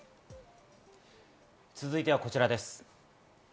続いてはこちらです。